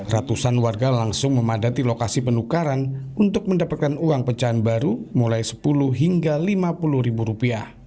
ratusan warga langsung memadati lokasi penukaran untuk mendapatkan uang pecahan baru mulai rp sepuluh hingga rp lima puluh ribu rupiah